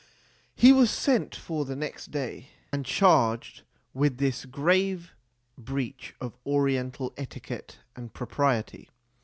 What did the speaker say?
He was sent for the next day, and charged with this grave breach of Oriental etiquette and propriety.